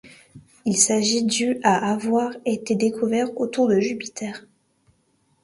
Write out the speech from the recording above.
Il s'agit du à avoir été découvert autour de Jupiter.